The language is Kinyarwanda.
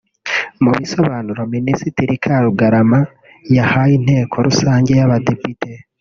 Mu bisobanuro Minisitire Karugarama yahaye inteko rusange y’abadepite